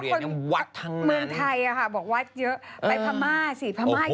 เมืองไทยบอกวัดเยอะไปพระม่าศิษย์พระม่าจะเยอะ